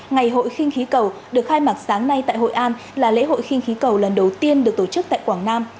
ngày hội khinh khí cầu được khai mạc sáng nay tại hội an là lễ hội khinh khí cầu lần đầu tiên được tổ chức tại quảng nam